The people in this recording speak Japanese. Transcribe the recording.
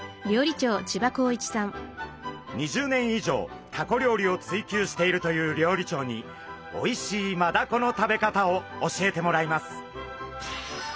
２０年以上タコ料理を追求しているという料理長においしいマダコの食べ方を教えてもらいます。